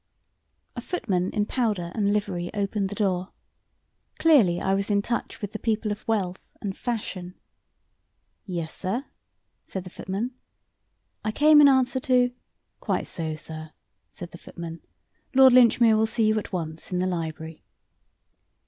A footman in powder and livery opened the door. Clearly I was in touch with the people of wealth and fashion. "Yes, sir?" said the footman. "I came in answer to " "Quite so, sir," said the footman. "Lord Linchmere will see you at once in the library."